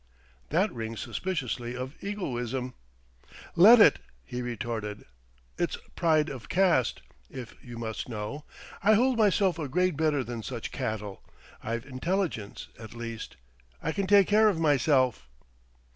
"That rings suspiciously of egoism!" "Let it," he retorted. "It's pride of caste, if you must know. I hold myself a grade better than such cattle; I've intelligence, at least.... I can take care of myself!"